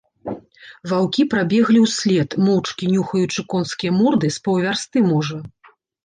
Ваўкі прабеглі ўслед, моўчкі нюхаючы конскія морды, з паўвярсты, можа.